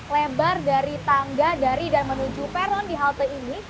lebar dari tangga dari dan menuju peron di halte ini